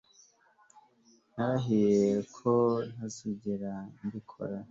Narahiye ko ntazigera mbikora